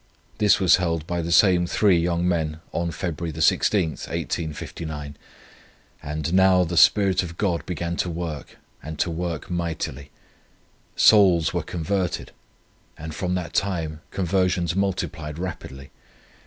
This was held by the same three young men on February 16th, 1859; and now the Spirit of God began to work, and to work mightily. Souls were converted, and from that time conversions multiplied rapidly.